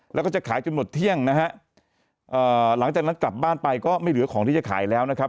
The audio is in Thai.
แล้วก็จะขายจนหมดเที่ยงนะฮะเอ่อหลังจากนั้นกลับบ้านไปก็ไม่เหลือของที่จะขายแล้วนะครับ